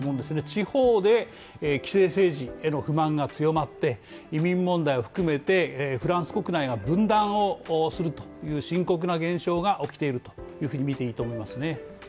地方で既成政治への不満が強まって移民問題を含めてフランス国内が分断をするという深刻な現象が起きているというふうに見ていいと思いますね。